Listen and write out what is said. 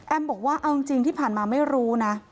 บอกว่าเอาจริงที่ผ่านมาไม่รู้นะ